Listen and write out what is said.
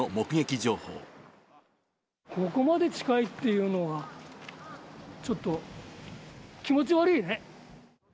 ここまで近いっていうのは、ちょっと気持ち悪いね。